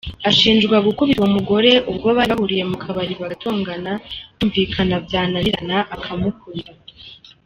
Ashinjwa gukubita uwo mugore ubwo bari bahuriye mu kabari bagatongana, kumvikana byananirana akamukubita.